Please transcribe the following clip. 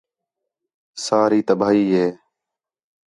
ساری تباہی ہِے